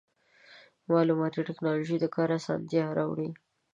مالوماتي ټکنالوژي د کار اسانتیا راوړي.